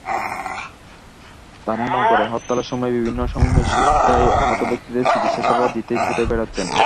তাঁরা নগরে হরতালের সময় বিভিন্ন সহিংসতায় আহত ব্যক্তিদের চিকিৎসেবা দিতেই ছুটে বেড়াচ্ছেন।